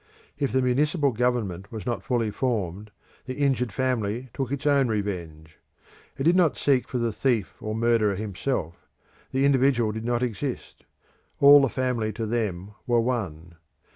If the municipal government was not fully formed, the injured family took its own revenge; it did not seek for the thief or murderer himself; the individual did not exist; all the family to them were one.